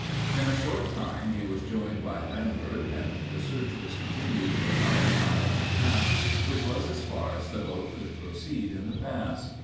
In a short time he was joined by Lambert and the search was continued for about a mile and a half, which was as far as the boat could proceed in the pass.